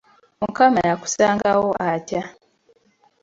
Mukama yakusanga wo atya?